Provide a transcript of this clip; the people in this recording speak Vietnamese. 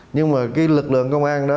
nhưng mà cái lực lượng công an đó